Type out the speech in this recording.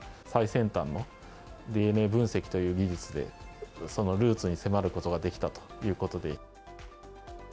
最先端のＤＮＡ分析という技術で、そのルーツに迫ることができたということで。